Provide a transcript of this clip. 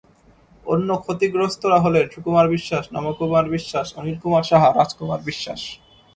অন্য ক্ষতিগ্রস্তরা হলেন সুকুমার বিশ্বাস, নবকুমার বিশ্বাস, অনিল কুমার সাহা, রাজকুমার বিশ্বাস।